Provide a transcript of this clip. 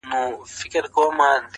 o هم سپرلي او هم ګلان په ګاڼو ولي,